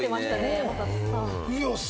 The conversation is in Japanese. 山里さん。